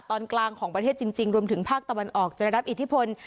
ตอนกลางของประเทศจริงรวมถึงภาคตะวันออกจะได้รับอิทธิพล